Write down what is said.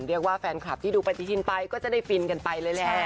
เรียกว่าแฟนคลับที่ดูปฏิทินไปก็จะได้ฟินกันไปเลยแหละ